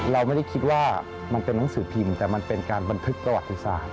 เราไม่ได้คิดว่ามันเป็นหนังสือพิมพ์แต่มันเป็นการบันทึกประวัติศาสตร์